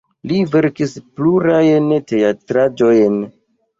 Li verkis plurajn teatraĵojn.